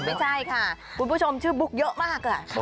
ไม่ใช่ค่ะคุณผู้ชมชื่อบุ๊กเยอะมาก